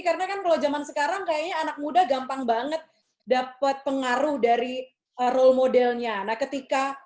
karena kan kalau zaman sekarang kayaknya anak muda gampang banget dapat pengaruh dari role modelnya